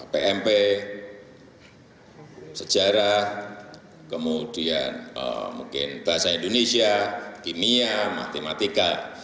pmp sejarah kemudian mungkin bahasa indonesia kimia matematika